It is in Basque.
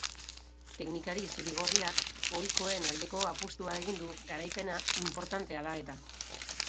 Teknikari zuri-gorriak ohikoen aldeko apustua egin du garaipena inportantea da eta.